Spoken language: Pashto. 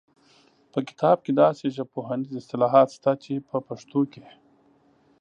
په کتاب کې داسې ژبپوهنیز اصطلاحات شته چې په پښتو کې